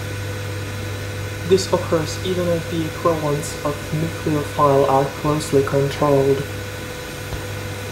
This occurs even if the equivalents of nucleophile are closely controlled.